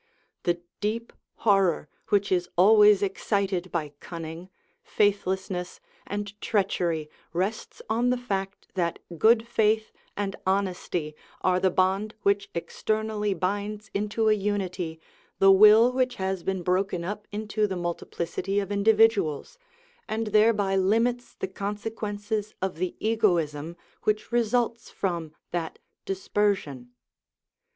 The deep horror which is always excited by cunning, faithlessness, and treachery rests on the fact that good faith and honesty are the bond which externally binds into a unity the will which has been broken up into the multiplicity of individuals, and thereby limits the consequences of the egoism which results from that dispersion.